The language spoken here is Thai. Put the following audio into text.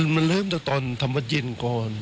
มันเริ่มจากตอนทำวัดเย็นก่อน